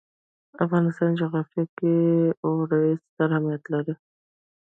د افغانستان جغرافیه کې اوړي ستر اهمیت لري.